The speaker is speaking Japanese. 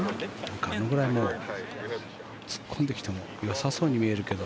あれくらい突っ込んできてもよさそうに見えるけど。